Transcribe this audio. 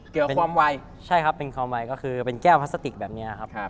เกี่ยวกับความวัยก็คือเป็นแก้มพลาสติกแบบนี้ค่ะครับ